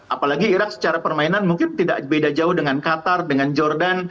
apalagi irak secara permainan mungkin tidak beda jauh dengan qatar dengan jordan